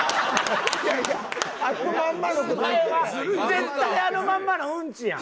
絶対あのまんまのうんちやん！